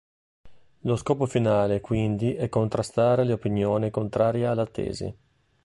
Lo scopo finale quindi è contrastare le opinioni contrarie alla tesi.